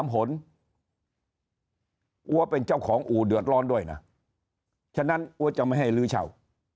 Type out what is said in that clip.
หัวเป็นเจ้าของอู่เดือดร้อนด้วยนะฉะนั้นอัวจะไม่ให้ลื้อเช่า